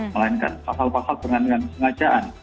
melainkan pasal pasal penganian sengajaan